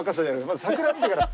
まず桜見てから。